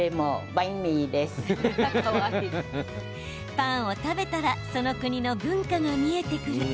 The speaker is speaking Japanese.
パンを食べたらその国の文化が見えてくる。